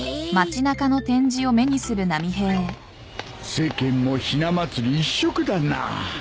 世間もひな祭り一色だな